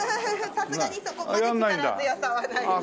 さすがにそこまで力強さはないですが。